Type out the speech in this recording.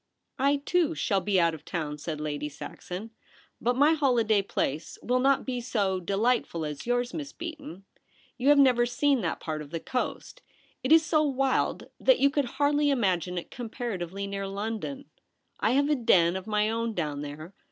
* I, too, shall be out of town,' said Lady Saxon, ' but my holiday place will not be so delightful as yours. Miss Beaton. You have THE BOTH WELL PART. never seen that part of the coast. It is so wild that you could hardly imagine it com paratively near London. I have a den of my own down there.